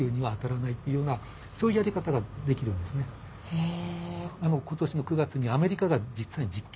へえ。